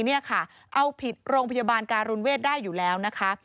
นี่ค่ะเอาผิดโรงพยาบาลการุณเวทได้อยู่แล้วนะคะ